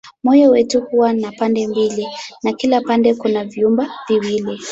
Moyo wetu huwa na pande mbili na kila upande kuna vyumba viwili.